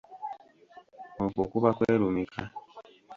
Okwo kuba kwerumika.